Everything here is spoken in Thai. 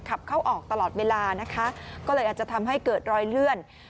ขับเข้าออกตลอดเวลานะคะก็เลยอาจจะทำให้เกิดรอยเลื่อน